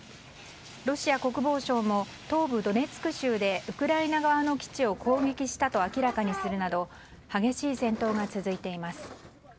ロシア国防省も東部ドネツク州でウクライナ側の基地を攻撃したと明らかにするなど激しい戦闘が続いています。